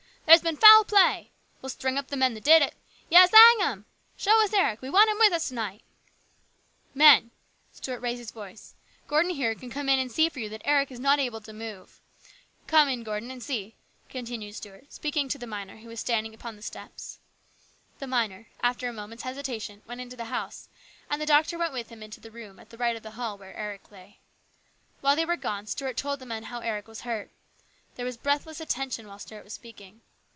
" There's been foul play !"" We'll string up the men that did it !"" Yes, hang 'em !"" Show us Eric. We want him with us to night !"" Men," Stuart raised his voice, " Gordon here can come in and see for you that Eric is not able to move. Come in, Gordon, and see," continued Stuart, speaking to the miner who was standing upon the steps. The miner, after a moment's hesitation, went into the house, and the doctor went with him into the room at the right of the hall where Eric lay. While they were gone Stuart told the men how Eric was hurt There was breathless attention while Stuart was speaking.